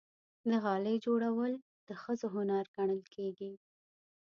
د غالۍ جوړول د ښځو هنر ګڼل کېږي.